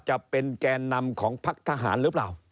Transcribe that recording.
จะเป็นแกนนำของพักทหารหรือเปล่า